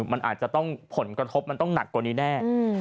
มันอาจจะต้องผลกระทบมันต้องหนักกว่านี้แน่